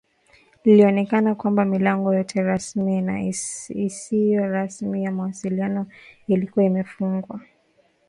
Ilionekana kwamba milango yote rasmi na isiyo rasmi ya mawasiliano ilikuwa imefungwa